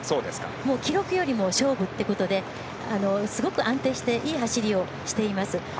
記録よりも勝負ということですごく安定していい走りをしています。